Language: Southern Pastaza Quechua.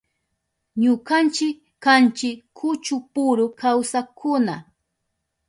Ñukanchi kanchi kuchupuru kawsakkuna.